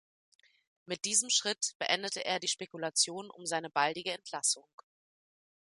Mit diesem Schritt beendete er die Spekulationen um seine baldige Entlassung.